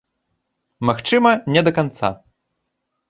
Магчыма, не да канца.